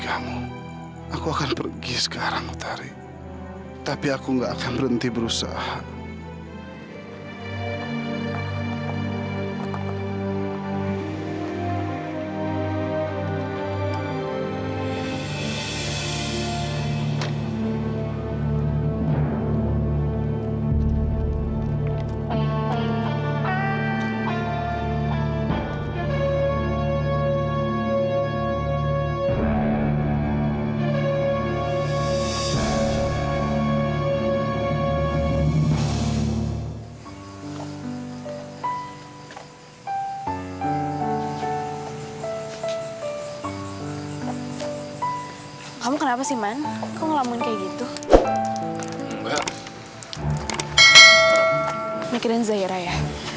apa kekurangan perempuan kita